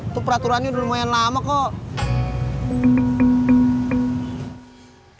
itu peraturannya udah lumayan lama kok